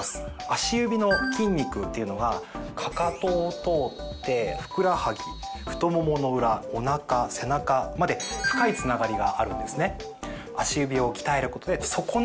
足指の筋肉っていうのがかかとを通ってふくらはぎ太ももの裏おなか背中まで深いつながりがあるんですね。